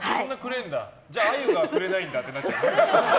じゃあ、あゆがくれないんだってなっちゃう。